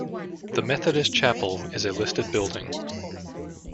The Methodist Chapel is a listed building.